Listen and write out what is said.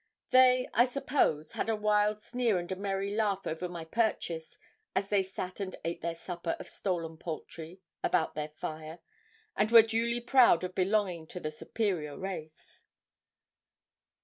They, I suppose, had a wild sneer and a merry laugh over my purchase, as they sat and ate their supper of stolen poultry, about their fire, and were duly proud of belonging to the superior race.